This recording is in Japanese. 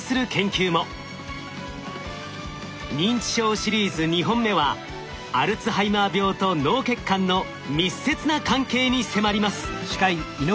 認知症シリーズ２本目はアルツハイマー病と脳血管の密接な関係に迫ります。